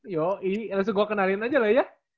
ya langsung gue kenalin aja lah ya